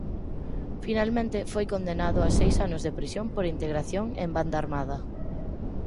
Finalmente foi condenado a seis anos de prisión por integración en banda armada.